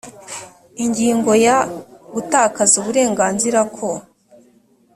ingingo ya gutakaza uburenganzira kwo